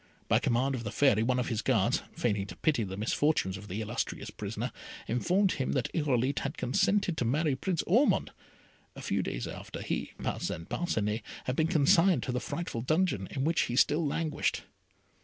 By command of the Fairy, one of his guards, feigning to pity the misfortunes of the illustrious prisoner, informed him that Irolite had consented to marry Prince Ormond, a few days after he (Parcin Parcinet) had been consigned to the frightful dungeon in which he still languished.